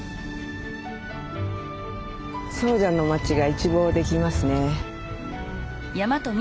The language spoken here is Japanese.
総社の町が一望できますね。